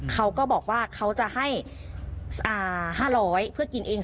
เขาก็บอกว่าเขาจะให้๕๐๐เพื่อกินเอง